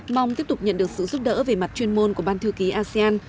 mong tiếp tục nhận được sự giúp đỡ về mặt chuyên môn của ban thư ký asean